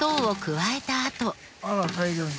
あら大量に。